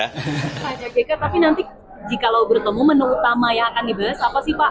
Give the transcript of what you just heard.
pak jk tapi nanti jikalau bertemu menu utama yang akan dibahas apa sih pak